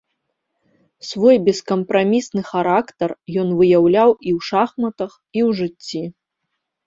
Свой бескампрамісны характар ён выяўляў і ў шахматах, і ў жыцці.